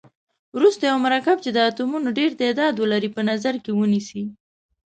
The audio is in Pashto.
وروسته یو مرکب چې د اتومونو ډیر تعداد ولري په نظر کې ونیسئ.